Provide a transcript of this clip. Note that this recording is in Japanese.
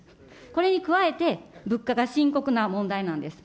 これに加えて、物価が深刻な問題なんです。